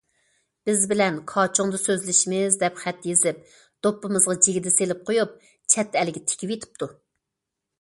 بىز بىلەن كاچۇڭدا سۆزلىشىمىز، دەپ خەت يېزىپ، دوپپىمىزغا جىگدە سېلىپ قويۇپ، چەت ئەلگە تىكىۋېتىپتۇ.